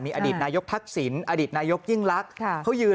อดีตนายกทักษิณอดีตนายกยิ่งลักษณ์เขายืน